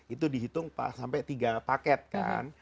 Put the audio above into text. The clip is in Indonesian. itu dihitung sampai tiga paket kan